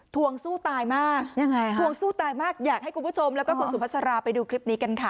ทวงสู้ตายมากยังไงทวงสู้ตายมากอยากให้คุณผู้ชมแล้วก็คุณสุภาษาราไปดูคลิปนี้กันค่ะ